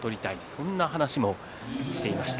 そんな話もしていました。